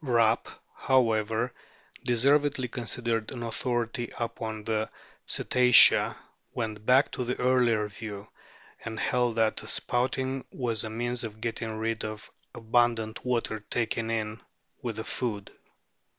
Rapp, however, deservedly considered an authority upon the Cetacea, went back to the earlier view, and held that the spouting was a means of getting rid of the abundant water taken in with the food.